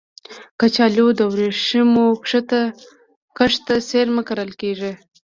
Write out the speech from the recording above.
کچالو د ورېښمو کښت ته څېرمه کرل کېږي